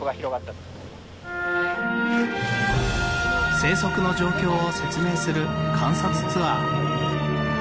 生息の状況を説明する観察ツアー。